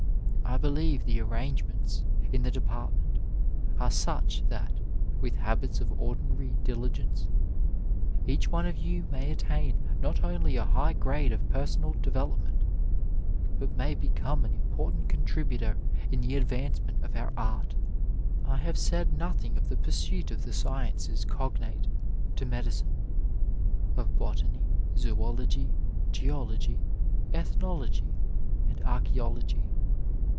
I believe the arrangements in the department are such that, with habits of ordinary diligence, each one of you may attain not only a high grade of personal development, but may become an important contributor in the advance ment of our art. I have said nothing of the pursuit of the sciences cognate to medicine, of botany, zoology, geology, ethnology and archaeology.